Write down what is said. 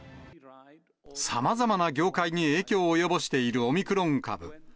さまざまな業界に影響を及ぼしているオミクロン株。